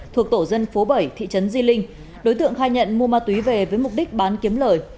thuộc tổ dân phố bảy thị trấn di linh đối tượng khai nhận mua ma túy về với mục đích bán kiếm lời